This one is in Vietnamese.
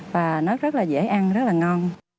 và nó rất là dễ ăn rất là ngon